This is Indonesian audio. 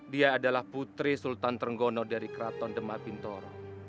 dia adalah putri sultan trenggono dari kraton demapintoro